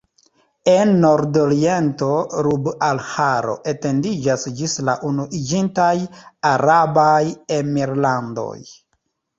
En nordoriento Rub-al-Ĥalo etendiĝas ĝis la Unuiĝintaj Arabaj Emirlandoj.